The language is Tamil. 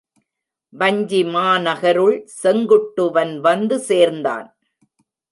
வஞ்சி மாநகருள் செங்குட்டுவன் வந்து சேர்ந்தான்.